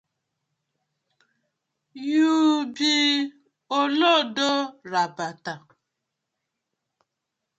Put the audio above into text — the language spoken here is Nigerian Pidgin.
Yu bi olodo rabata.